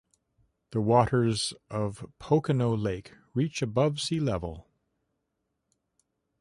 The waters of Pocinho lake reach above sea level.